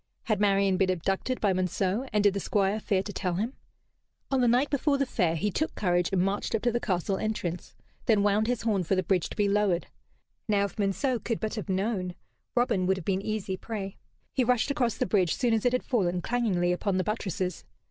Had Marian been abducted by Monceux, and did the Squire fear to tell him? On the night before the Fair he took courage and marched up to the castle entrance, then wound his horn for the bridge to be lowered. Now, if Monceux could but have known, Robin would have been easy prey. He rushed across the bridge soon as it had fallen, clangingly, upon the buttresses.